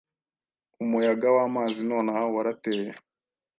Umuyaga wamazi nonaha warateye